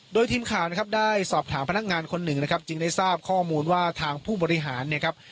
โดยทีมข่าวนะครับได้สอบถามพนักงานคนหนึ่งนะครับจึงได้ทราบข้อมูลว่าทางผู้บริหารเนี่ยครับ